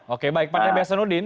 oke baik pak nebiasa nudin